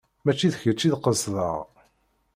Mačči d kečč i d-qesdeɣ.